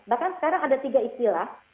bahkan sekarang ada tiga istilah